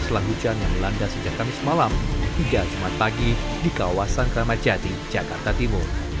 setelah hujan yang melanda sejak kamis malam hingga jumat pagi di kawasan kramacati jakarta timur